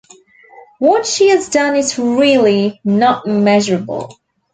What she has done is really not measurable.